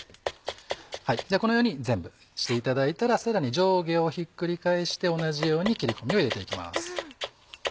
このように全部していただいたらさらに上下をひっくり返して同じように切り込みを入れて行きます。